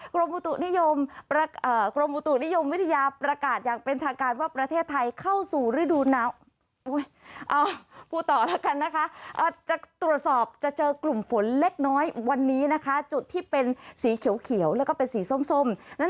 กรมบุตุนิยมวิทยาประกาศอย่างเป็นทางการว่าประเทศไทยเข้าสู่ฤดูนน้ำ